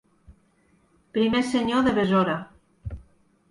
Primer senyor de Besora.